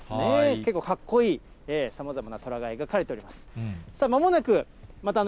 結構、かっこいいさまざまなトラが描かれております。